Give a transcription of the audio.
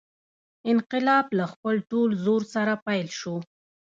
انقلاب له خپل ټول زور سره پیل شو.